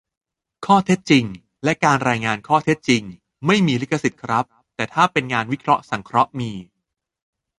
ข้อเท็จจริง และ การรายงานข้อเท็จจริง ไม่มีลิขสิทธิ์ครับ - แต่ถ้าเป็นงานวิเคราะห์สังเคราะห์ มี